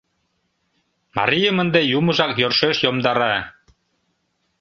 Марийым ынде юмыжак йӧршеш йомдара!..